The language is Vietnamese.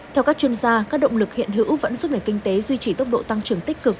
theo các chuyên gia các động lực hiện hữu vẫn giúp nền kinh tế duy trì tốc độ tăng trưởng tích cực